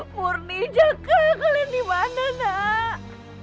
murni jakal kalian dimana nak